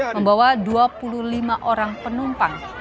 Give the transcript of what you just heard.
membawa dua puluh lima orang penumpang